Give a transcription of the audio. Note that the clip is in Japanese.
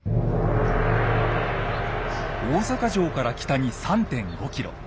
大阪城から北に３．５ｋｍ。